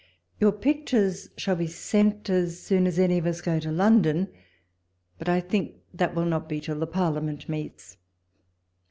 Your pictures shall be sent as soon as any of us go to London, but I think that will not be till the Parliament meets.